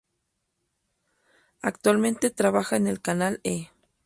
Actualmente trabaja en el canal E!